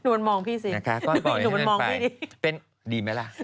วนมองพี่สิหนูมันมองพี่ดีเป็นดีไหมล่ะ